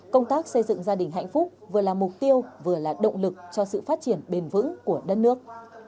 công tác xây dựng gia đình hạnh phúc vừa là mục tiêu vừa là động lực cho sự phát triển bền vững của đất nước